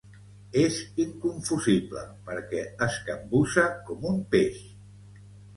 És inconfusible, perquè es capbussa com un peix.